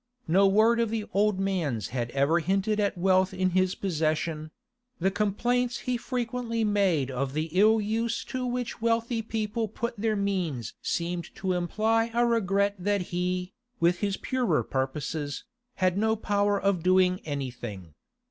No word of the old man's had ever hinted at wealth in his possession; the complaints he frequently made of the ill use to which wealthy people put their means seemed to imply a regret that he, with his purer purposes, had no power of doing anything.